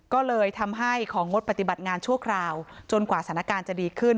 ก็เลยทำให้ของงดปฏิบัติงานชั่วคราวจนกว่าสถานการณ์จะดีขึ้น